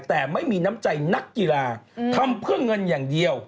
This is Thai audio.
แต่ไม่มีน้ำใจนักกีฬาทำเพื่อเงินอย่างเดียว